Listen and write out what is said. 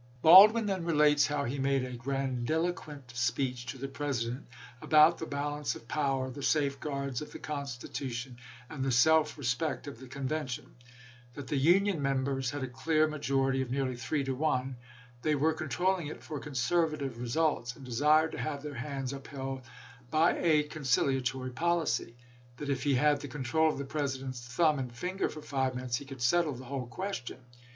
Baldwin then relates how he made a grandilo quent speech to the President about the balance of power, the safeguards of the Constitution, and the self respect of the convention; that the Union members had a clear majority of nearly three to one ; they were controlling it for conservative re sults, and desired to have their hands upheld by a conciliatory policy ; that if he had the control of the President's thumb and finger for five minutes he could settle the whole question.